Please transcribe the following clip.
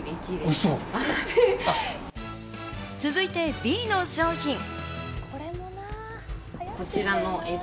続いてＢの商品。